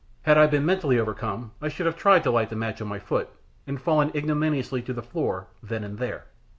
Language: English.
Had I been mentally overcome, I should have tried to light the match on my foot, and fallen ignominiously to the floor then and there.